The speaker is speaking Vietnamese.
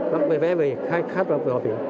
bắc vẽ về khát vọng về hòa bình